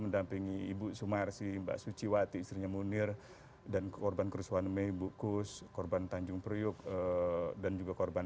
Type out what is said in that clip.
mendampingi ibu sumar mbak suciwati istrinya munir dan korban kereswaneme ibu kus korban tanjung priuk dan juga korban enam puluh lima